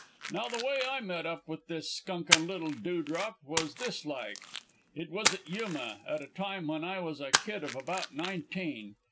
"Now, the way I met up with this skunkin' little dewdrop was this like It was at Yuma, at a time when I was a kid of about nineteen.